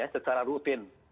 ya secara rutin